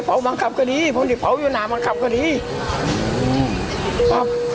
ฟังลูกครับ